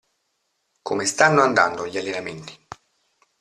Come stanno andando gli allenamenti?